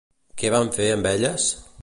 Què van fer amb elles?